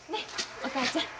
お母ちゃん。